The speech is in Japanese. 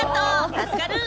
助かる！